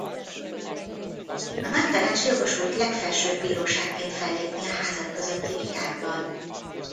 A Nagytanács jogosult legfelsőbb bíróságként fellépni a Házak közötti vitákban.